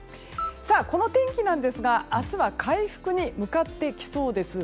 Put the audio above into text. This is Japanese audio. この天気なんですが明日は回復に向かっていきそうです。